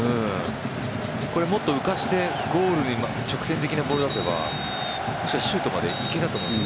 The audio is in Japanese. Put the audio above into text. もっと浮かせてゴールに直線的なボールを出せばシュートまでは行けたと思うんです。